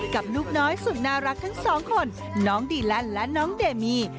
ลูกน้อยสุดน่ารักทั้งสองคนน้องดีแลนด์และน้องเดมี